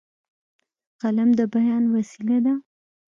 قلم د بیان وسیله ده.